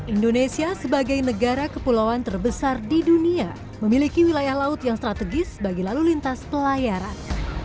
indonesia sebagai negara kepulauan terbesar di dunia memiliki wilayah laut yang strategis bagi lalu lintas pelayaran